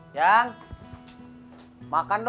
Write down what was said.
lebih baik kau tanya sendiri sama orangnya